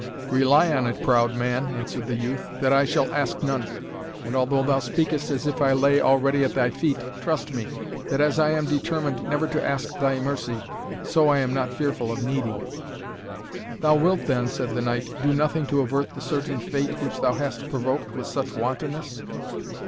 "Rely on it, proud man," answered the youth, "that I shall ask none; and although thou speakest as if I lay already at thy feet, trust me, that as I am determined never to ask thy mercy, so I am not fearful of needing it." "Thou wilt, then," said the knight, "do nothing to avert the certain fate which thou hast provoked with such wantonness?"